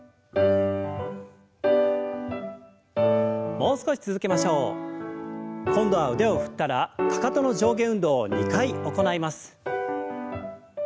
もう少し続けましょう。今度は腕を振ったらかかとの上下運動を２回行います。